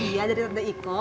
iya dari dari iko